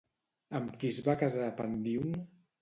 Amb qui es va casar Pandíon?